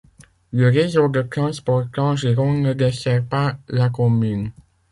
Le réseau de transports TransGironde ne dessert pas la commune.